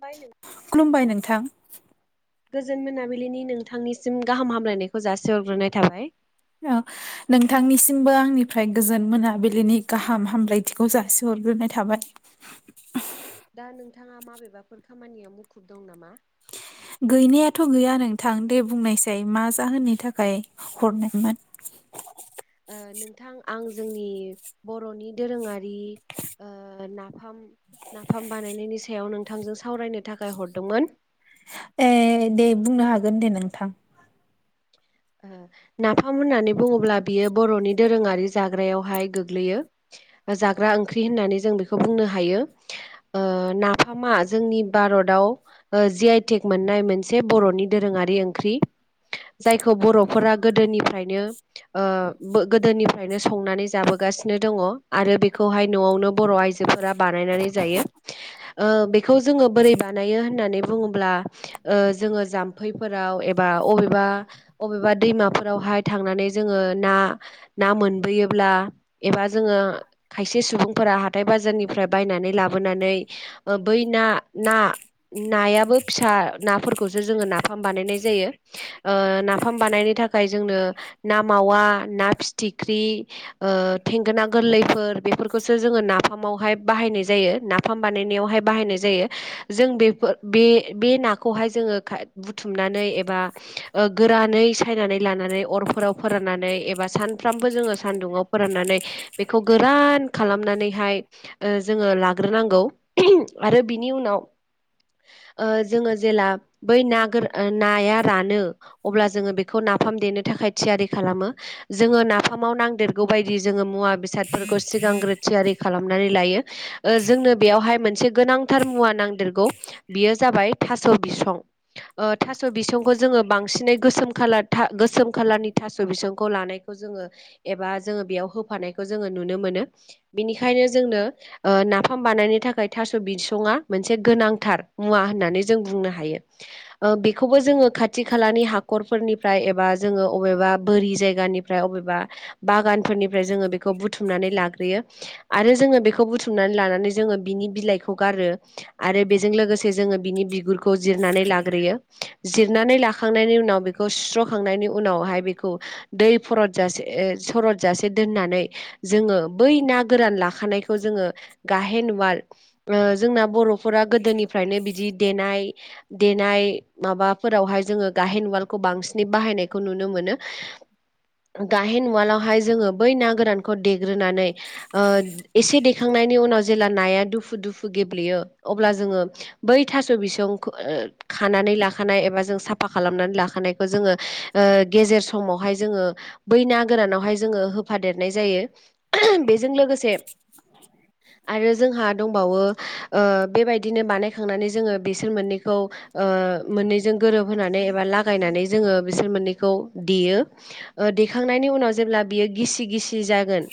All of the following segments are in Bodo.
बायनो खुलुमबाय नोंथां गोजोन मोनाबिलिनि नोंथांनिसिम गाहाम हामलायनायखौ जासिहरग्रोनाय थाबाय। ओ नोंथांनिसिमबो आंनिफ्राय गोजोन मोनाबिलिनि गाहाम हामलायथिखौ जासिहरग्रोनाय थाबाय। दा नोंथाङा माबेबाफोर खामानियाव मुखुब दं नामा? गैनायाथ गैया नोंथां दे बुंनायसै मा जाहोननि थाखाय हरनायमोन? नोंथां आं जोंनि बरनि दोरोङारि नाफाम नाफाम बानायनायनि सायाव नोंथांजों सावरायनो थाखाय हरदोंमोन ए दे बुंनो हागोन दे नोंथां नाफाम होननानै बुङोब्ला बियो बरनि दोरोङारि जाग्रायावहाय गोग्लैयो जाग्रा ओंख्रि होननानै जों बेखौ बुंनो हायो ओ नाफामा जोंनि भारतआव ओ जि आइटेक मोननाय मोनसे बरनि दोरोङारि ओंख्रि। खौ बरफोरा गोदोनिफ्रायनो ओ बो गोदोनिफ्रायनो संनानै जाबोगासिनो दङ आरो बेखौहाय नआवनो बर आइजो फोरा बानायनानै जायो ओ बेखौ जोङो बोरै बानायो होननानै बुङोब्ला ओ जोङो जाम्फैफोराव एबा अबेबा अबेबा दैमाफोरावहाय थांनानै जोङो ना ना मोनबोयोब्ला एबा जोङो खायसे सुबुंफोरा हाथाय बाजारनिफ्राय बायनानै लाबोनानै ओ बै ना ना नायाबो फिसा नाफोरखौसो जोङो नाफाम बानायनाय जायो ओ ना फाम बानायनो थाखाय जोंनो ना मावा ना फिथिख्रि ओ थेंगोना गोरलैफोर बेफोरखौसो जोङो नाफामावहाय बाहायनाय जायो ना। फाम बानायनायावहाय बाहायनाय जायो। जों बेफो बे बे नाखौहाय जोङो बुथुमनानै एबा ओग गोरानै सायनानै लानानै अरफोराव फोराननानै एबा सानफ्रामबो जोङो सानदुङाव फोराननानै बेखौ गोरान खालामनानैहाय ओ जोङो लाग्रोनांगौ आरो बिनि उनाव ओ जोङो जेला बै ना गोर नाया रानो अब्ला जोङो बेखौ नाफाम देनो थाखाय थियारि खालामो। जोङो नाफामाव नांदेरगौ बायदि जोङो मुवा बेसादफोरखौ सिगांग्रो थियारि खालामनानै लायो। ओ जोंनो बेयावहाय मोनसे गोनांथार मुवा नांदेरगौ बेयो जाबाय थास बिसं ओ थास बिसंखौ जोङो बांसिन नै गोसोम खालार गोसोम खालारनि थास बिसंखौ लानायखौ जोङो एबा जोङो बेयाव होफानायखौ जोङो नुनो मोनो बिनिखायनो जोंनो ओ नाफाम बानायनो थाखाय थास बिसङा मोनसे गोनांथार मुवा होननानै जों बुंनो हायो। ओ बेखौबो जोङो खाथि खालानि हाखरफोरनिफ्राय एबा जोङो अबेबा बोरि जायगानिफ्राय अबेबा बागानफोरनिफ्राय जोङो बेखौ बुथुमनानै लाग्रोयो। आरो जोङो बेखौ बुथुमनानै लानानै जोङो बिनि बिलाइखौ गारो आरो बेजों लोगोसे जोङो बिनि बिगुरखौ जिरनानै लाग्रोयो जिरनानै लाखांनायनि उनाव बेखौ सुस्रखांनायनि उनावहाय बेखौ दै फरद जासे सरत जासे दोननानै जोङो बै ना गोरान लाखानायखौ जोङो गाहेन उवाल ओ जोंना बरफोरा गोदोनिफ्रायनो बिदि देनाय देनाय माबाफोरावहाय जोङो गाहेन उवाल खौ बांसिनै बाहायनायखौ नुनो मोनो। गाहेन उवालावहाय जोङो बै ना गोरानखौ देग्रोनानै ओ एसे देखांनायनि उनाव जेब्ला नाया दुफु दुफु गेब्लेयो अब्ला जोङो बै थास बिसं ओ खानानै लाखानाय एबा जों साफा खालामनानै लाख नायखौ जोङो ओ गेजेर समावहाय जोङो बै ना गोरानावहाय जोङो होफादेरनाय जायो बेजों लोगोसे [inaudible] आरो जोंहा दंबावो ओ बेबायदिनो बानायखांनानै जोङो बिसोर मोननैखौ। ओ मोननैजों गोरोबहोनानै एबा लागायनानै जोङो बिसोर मोननैखौ देयो। ओ दैखांनायनि उनाव जेब्ला बियो गिसि गिसि जागोन।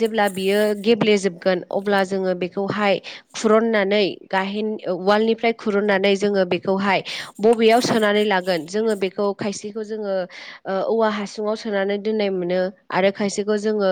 जेब्ला बियो गेब्लेजोबगोन अब्ला जोङो बेखौहाय। खुरुननानै गाहेन वाल्डनिफ्राय खुरुननानै जोङो बेखौहाय। बबेयाव सोनानै लागोन जोङो बेखौ खायसेखौ जोङो। औवा हासुङाव सोनानै दोननाय मोनो आरो खायसेखौ जोङो।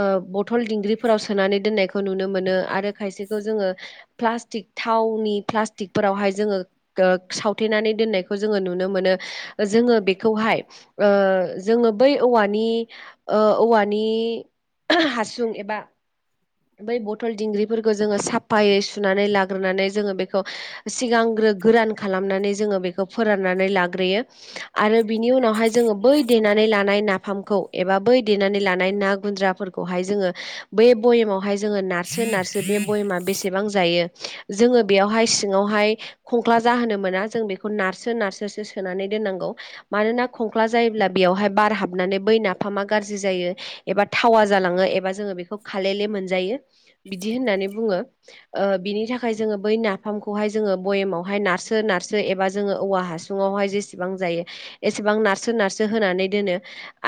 ओ बथल दिंग्रिफोराव सोनानै दोननायखौ नुनो मोनो आरो खायसेखौ जोङो। प्लास्टिक थावनि प्लास्टिकफोरावहाय जोङो ओ सावथेनानै दोननायखौ जोङो नुनो मोनो जोङो बेखौहाय ओ जोङो बै औवानि। ओ औवानि हासुं एबा। बै बथल दिंग्रिफोरखौ जोङो साफायै सुनानै लाग्रोनानै जोङो बेखौ। सिगांग्रो गोरान खालामनानै जोङो बेखौ फोराननानै लागोन हग्रोयो आरो बिनि उनावहाय जोङो बै देनानै लानाय नाफामखौ एबा बै देनानै लानाय ना गुन्द्राफोरखौहाय जोङो जोङो नारसो नारसो बे बयमा बेसेबां जायो खंख्ला जाहोनो मोना जों बेखौ नारसो नारसोसो सोनानै दोननांगौ मानोना खंख्ला जायोब्ला बेयावहाय बार हाबनानै बै नाफामा गाज्रि जायो एबा थावा जालाङो एबा जोङो बेखौ खालेले मोनजायो बिदि होननानै बुङो ओ बिनि थाखाय जोङो बै नाफामखौहाय जोङो बयेमावहाय नारसो नारसो एबा जोङो औवा हासुङावहाय जेसेबां जायो एसेबां नारसो नारसो होनानै दोनो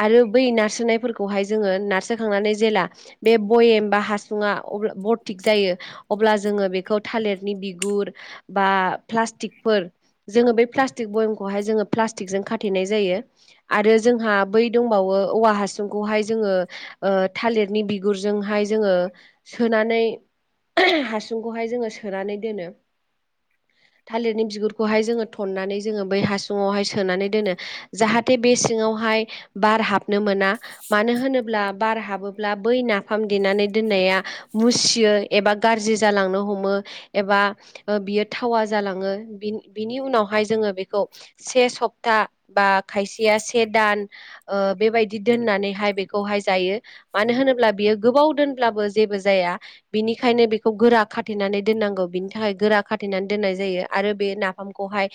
आरो बै नारसोनायफोरखौहाय जोङो नारसोखांनानै जेला बे बयेम बा हासुुंआ बरथिक जायो अब्ला जोङो बेखौ थालिरनि बिगुर बा प्लास्टिकफोर जोङो बै प्लास्टिक बयमखौहाय जोङो प्लास्टिकजों खाथेनाय जायो आरो जोंहा बै दंबावो औवा हासुंखौहाय जोङो ओ थालिरनि बिगुरजोंहाय जोङो सोनानै हासुंखौहाय जोङो सोनानै दोनो थालिरनि बिगुरखौहाय जोङो थन्नानै जोङो बै हासुङावहाय सोनानै दोनो जाहाथे बे सिङावहाय बार हाबनो मोना मानो होनोब्ला बार हाबोब्ला बै नाफाम देनानै दोननाया मुसियै एबा गाज्रि जालांनो हमो एबा ओ बियो थावा जालाङो बिनि उनावहाय जोङो से सप्ता बा खायसेया से दान ओ बेबायदि दोननानैहाय बेखौहाय जायो मानो होनोब्ला बियो गोबाव दोनब्लाबो जेबो जाया बिनिखायनो बेखौ गोरा खाथेनानै दोननांगौ बिनि थाखाय गोरा खाथेनानै दोननाय जायो आरो बे ना फामखौहाय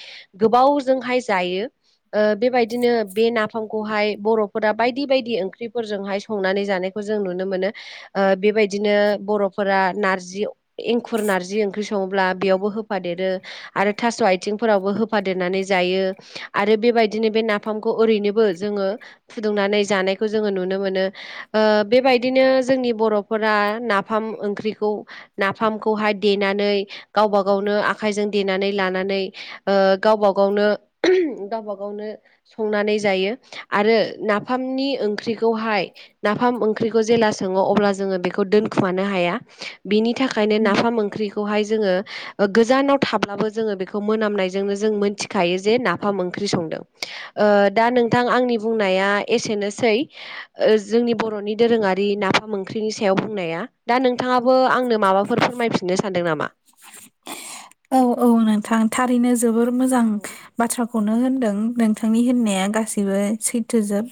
गोबावजोंहाय जायो ओ बेबायदिनो बे नाफामखौहाय बर'फोरा बायदि बायदि ओंख्रिफोरजोंहाय संनानै जानायखौ जों नुनो मोनो बेबायदिनो बर'फोरा नारजि एंखुर नारजि ओंख्रि सङोब्ला बेयावबो होफादेरो आरो थास आथिंफोरावबो हो फा देननानै जायो आरो बेबायदिनो बे नाफामखौ ओरैनोबो जोङो। फुदुंनानै जानायखौ जोङो नुनो मोनो। ओ बेबायदिनो जोंनि बरफोरा नाफाम ओंख्रिखौ नाफामखौहाय देनानै गावबा गावनो आखाइजों देनानै लानानै ओ गावब गावनो गावब गावनो संनानै जायो आरो नाफामनि ओंख्रिखौहाय नाफाम ओंख्रिखौ जेला सोङो अब्ला जोङो बेखौ दोनखुमानो हाया बिनि थाखायनो उम नाफाम ओंख्रिखौहाय जोङो ओ गोजानाव थाब्लाबो जोङो बेखौ मोनामनाय जोंनो जों मोनथिखायो जे नाफाम ओंख्रि संदों ओ दा नोंथां आंनि बुंनाया एसेनोसै [unintelligible] जोंनि बर'नि दोरोङारि नाफाम ओंख्रिनि सायाव बुंनाया दा नोंथाङाबो आंनो माबाफोर फोरमायफिननो सानदों नामा? औ औ नोंथां थारैनो जोबोर मोजां औ बाथ्रा खौनो होनदों नोंथांनि होननाया गासैबो सैथोजोब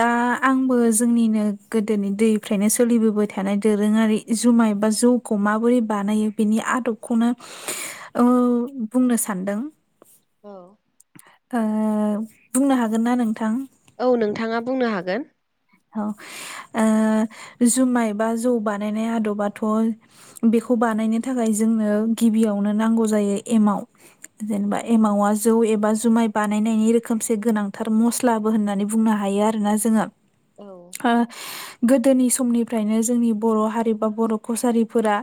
दा आंबो जोंनिनो गोदोनि दैफ्रायनो सोलिबोबाय थानाय दोरोङारि जुमाय बा जौखौ माबोरै बानायो बिनि आदबखौनो [inaudible] औ बुंनो सानदों औ ओ बुंनो हागोन ना नोंथां? औ नोंथाङा बुंनो हागोन। औ ओ जुमाय बा जौ बानायनाय आदबाथ' बेखौ बानायनो थाखाय जोंनो गिबियावनो नांगौ जायो एमाव जेनेबा एमावा जौ एबा जुमाय बानायनायनि रोखोमसे गोनांथार मुस्थ स्लाबो होननानै बुंनो हायो आरोना जोङो औ ओ गोदोनि समनिफ्रायनो जोंनि बर' हारि बा बर' कसारिफोरा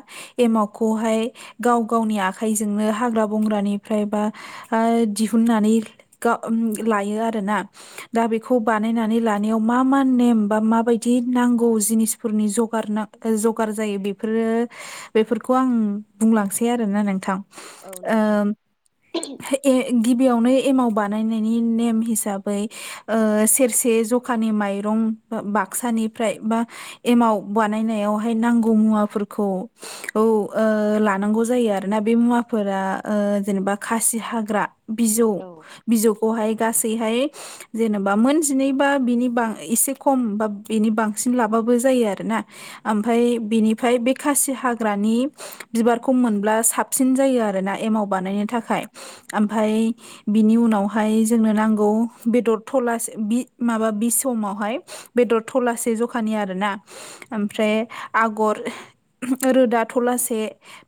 एमावखौहाय गाव गावनि आखाइजोंनो हाग्रा बंग्रानिफ्राय बा ओ दिहुननानै गा उम लायो आरोना दा बेखौ बानायनानै लानायाव मा मा नेम बा मााबायदि नांगौ जिनिसफोरनि जगारना जगार जायो बेफोरो बेफोरखौ आं बुंलांसै आरोना नोंथां औ ओ नोंथां ए गिबियावनो एमाव बानायनायनि नेम हिसाबै ओ सेरसे जखानि माइरं बाक्सानिफ्राय बा एमाव बानायनायावहाय नांगौ मुवाफोरखौ औ ओ लानांगौ जायो आरोना बे मुवाफोरा ओ जेनेबा खासि हाग्रा बिजौ औ बिजौखौहाय गासैहाय जेनेबा मोन जिनै बा बिनि बां एसे खम बा बेनि बांसिन लाबाबो जायो आरोना ओमफाय बिनिफाय बे खासि हाग्रानि बिबारखौ मोनब्ला साबसिन जायो आरोना एमाव बानायनो थाखाय ओमफाय बिनि उनावहाय जोंनो नांगौ बेदर थलास बि माबा बिस समावहाय बेदर थलासे जखानि आरोना ओमफ्राय आगर रोदा थ'लासे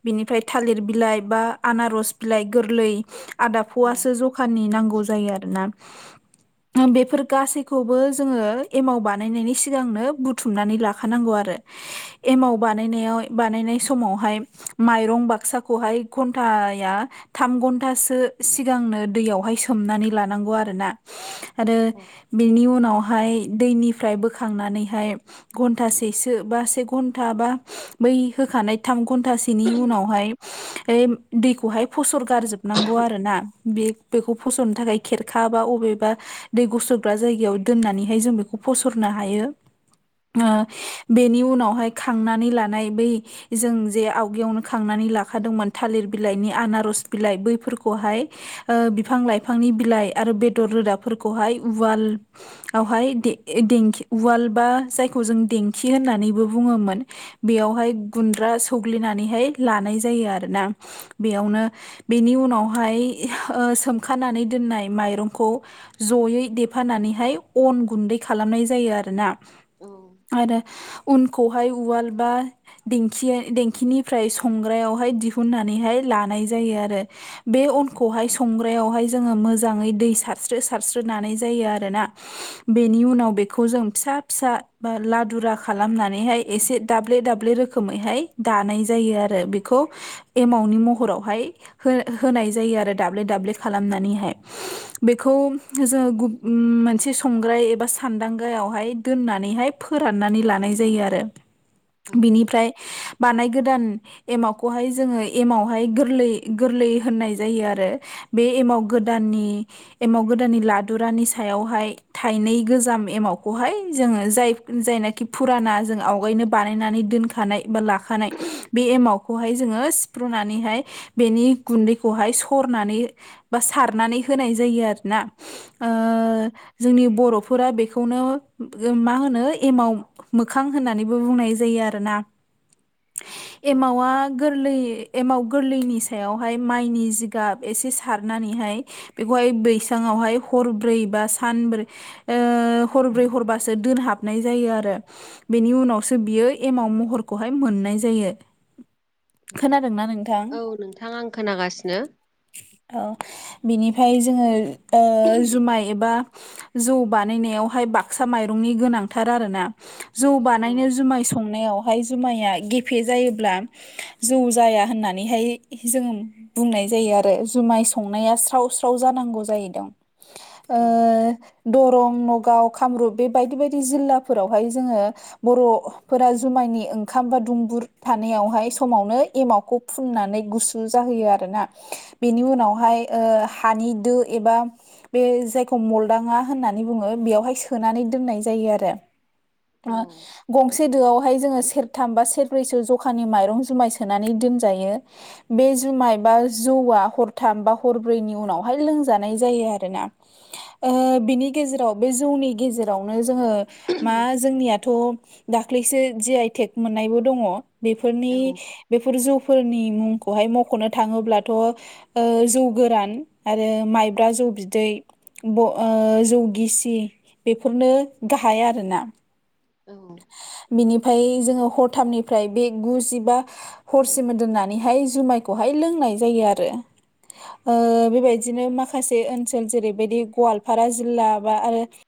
बिनिफ्राय थालिर बिलाइ बा आनारस बिलाइ गोरलै आदाब औ फवसो जखानि नांगौ जायो आरोना बेफोर गासैखौबो जोङो एमाव बानायनायनि सिगांनो बुथुमनानै लाखानांगौ आरो एमाव बानायनायाव बानायनाय समावहाय माइरं बाक्साखौहाय घन्टाया थाम घन्टासो सिगांनो दैयावहाय सोमनानै लानांगौ आरोना आरो औ बिनि उनाव हाय दैनिफ्राय बोखांनानैहाय घन्टासेसो बा से घन्टा बा बै होखानाय थाम घन्टसेनि उनावहाय दैखौहाय फसर गारजोब नांगौ आरो ना बिब बेखौ फस'नो थाखाय खेरखा बा अबेबा दै गुसुरग्रा जायगायाव दोन्नानैहाय जों बेखौ फसरनो हायो ओ बेनि उनावहाय खांनानै लानाय बै जों जे आवगयावनो खांनानै लाखादोंमोन थालिर बिलाइनि आनारस बिलाइ बैफोरखौहाय ओ बिफां लाइफांनि बिलाइ आरो बेदर रोदाफोरखौहाय उवाल आवहाय दे देंखि उवाल बा जायखौ जों देंखि होननानैबो बुङोमोन बेयावहाय गुन्द्रा सौग्लिनानैहाय लानाय जायो आरो ना बेयावनो बेनि उनावहाय ओ सोमखानानै दोननाय माइरंखौ जयै देफानानै हाय अन गुन्दै खालामनाय जायो आरोना औ आरो अनखौहाय उवाल बा दिंखि देंखिनिफ्राय संग्रायावहाय दिहुननानैहाय लानाय जायो आरो। बे अनखौहाय संग्रायावहाय जोङो मोजाङै दै सारस्रो सारस्रो नानाय जायो आरो ना। [inaudible] बेनि उनाव बेखौ जों फिसा फिसा बा लादुरा खालामनानैहाय एसे दाब्ले दाब्ले रो रोखोमैहाय दानाय जायो आरो बेखौ एमावनि महरावहाय हो होनाय जायो आरो दाब्ले दाब्ले खालामनानैहाय। बेखौ जों गु उम [unintelligible] मोनसे संग्राय एबा सान्दांगायावहाय दोननानैहाय फोराननानै लानाय जायो आरो। औ बिनिफ्राय बानाय गोदान एमावखौहाय जोङो एमावहाय गोरलै गोरलै होननाय जायो आरो। बे एमाव गोदाननि एमाव गोदाननि लादुरानि सायावहाय थाइनै गोजाम एमावखौहाय जोङो जाय जायनाखि फुराना जों आवगायनो बानायनानै दोन खानाय बा लाखानाय बे एमाव खौहाय जोङो सिफ्रुनानैहाय बेनि गुन्दैखौहाय सरनानै बा सारनानै होनाय जायो आरोना ओ जोंनि बर'फोरा बेखौनो मा होनो एमाव मोखां होननानैबो बुंनाय जायो आरोना। [inaudible] एमावा गोरलै एमाव गोरलैनि सायावहाय माइनि जिगाब एसे सारनानैहाय बेखौहाय बैसांआवहाय हरब्रै बा सानब्रै ओ हरब्रै हरबासो दोनहाबनाय जायो आरो। बेनि उनावसो बियो एमाव महरखौहाय मोननाय जायो। खोनादोंना नोंथां औ नोंथां आं खोनागासिनो। औ बिनिफ्राय जोङो ओ जुमाय एबा जौ बानायनायावहाय बाक्सा माइरंनि गोनांथार आरोना। जौ औ बानायनो जुमाय संनायावहाय जुमाया गेफे जायोब्ला जौ जाया होननानैहाय जोंङो बुंनाय जायो आरो जुमाय संनाया स्राव स्राव जानांगौ जाहैदों। औ दरं नगाव‌कामरुप बे बायदि बायदि जिल्लाफोरावहाय जोंङो बरफोरा जुमायनि ओंखाम बा दुंबुर थानायावहाय समावनो एमावखौ फुननानै गुसु जाहोयो आरोना। बेनि उनावहाय ओ हानि दो एबा बे जायखौ मल दाङा होननानै बुंङो बेयावहाय सोनानै दोननाय जायो आरो ओ औ गंसे दोआवहाय जोंङो सेरथाम बा सेरब्रैसो जखानि माइरं जुमाय सोनानै दोनजायो। बे जुमाय बा जौआ हरथाम बा हरब्रैनि उनावहाय लोंजानाय जायो आरोना। ओ बिनि गेजेराव बे जौनि गेजेरावनो जोंङो मा जोंनियाथ' दाख्लैसो जि आइटेक मोननायबो दंङ बेफोरनि औ बेफोर जौ फोरनि मुंखौहाय मखनो थाङोब्लाथ ओ जौ गोरान आरो माइब्रा जौ बिदै ब' ओ जौगिसि बेफोरनो गाहाय आरोना। औ। बिनिफ्राय जोङो हरथामनिफ्राय बे गुजिबा हरसिम दोननानैहाय जुमायखौहाय लोंनाय जायो आरो। ओ बेबायदिनो माखासे ओनसोल जेरैबायदि गवालपारा जिल्ला बा आरो